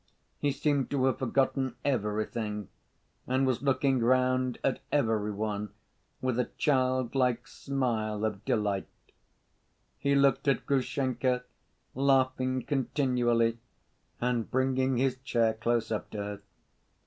He seemed to have forgotten everything, and was looking round at every one with a childlike smile of delight. He looked at Grushenka, laughing continually, and bringing his chair close up to her.